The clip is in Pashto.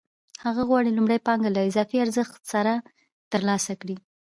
هغه غواړي لومړنۍ پانګه له اضافي ارزښت سره ترلاسه کړي